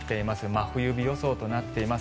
真冬日予想となっています。